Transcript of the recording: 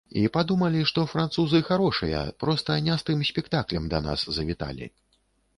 І падумалі, што французы харошыя, проста не з тым спектаклем да нас завіталі.